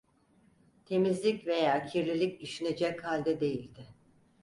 Temizlik veya kirlilik düşünecek halde değildi.